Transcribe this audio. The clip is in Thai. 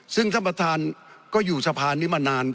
ซึ่งท่านประธานก็อยู่สภานิมนาน